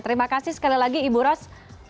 terima kasih sekali lagi ibu ros